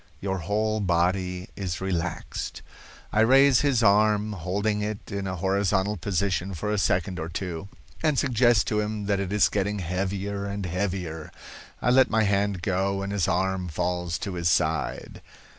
Your whole body is relaxed.' I raise his arm, holding it in a horizontal position for a second or two, and suggest to him that it is getting heavier and heavier. I let my hand go and his arm falls to his side.